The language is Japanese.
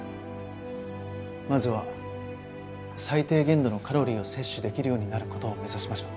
まずは最低限度のカロリーを摂取できるようになる事を目指しましょう。